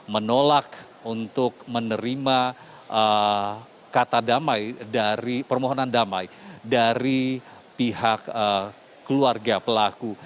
menolak untuk menerima kata damai dari permohonan damai dari pihak keluarga pelaku